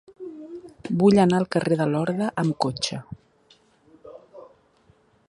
Vull anar al carrer de Lorda amb cotxe.